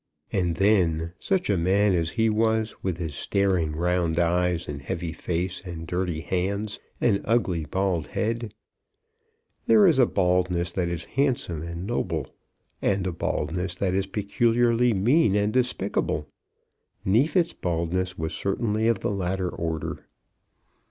And then such a man as he was, with his staring round eyes, and heavy face, and dirty hands, and ugly bald head! There is a baldness that is handsome and noble, and a baldness that is peculiarly mean and despicable. Neefit's baldness was certainly of the latter order.